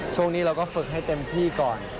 ช่วงนี้เราก็ฝึกให้เต็มที่ก่อน